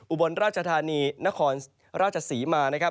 อุบลราชธานีนครราชศรีมา